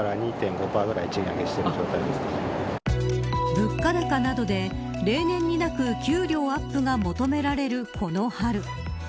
物価高などで例年になく給料アップが求められるこの春。